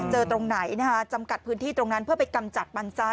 ตรงไหนนะคะจำกัดพื้นที่ตรงนั้นเพื่อไปกำจัดมันซ้าย